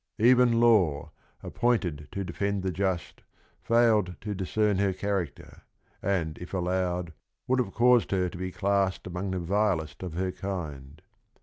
Even "law, appointed to defend the just," failed to discern her character, and if allowed, would have caused her to be classed among the vilest of her kind.